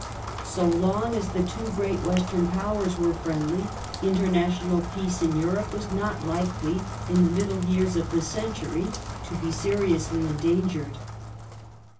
So long as the two great Western Powers were friendly, international peace in Europe was not likely, in the middle yeai s of the century, to be seriously endangered.